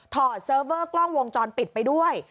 เซิร์ฟเวอร์กล้องวงจรปิดไปด้วย